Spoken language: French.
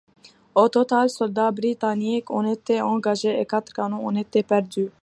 Au total, soldats britanniques ont été engagés et quatre canons ont été perdus.